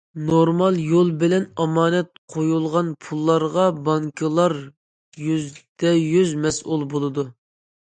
نورمال يول بىلەن ئامانەت قويۇلغان پۇللارغا بانكىلار يۈزدەيۈز مەسئۇل بولىدۇ.